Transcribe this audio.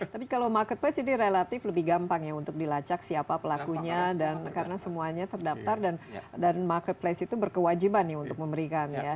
tapi kalau marketplace ini relatif lebih gampang ya untuk dilacak siapa pelakunya dan karena semuanya terdaftar dan marketplace itu berkewajiban ya untuk memberikan ya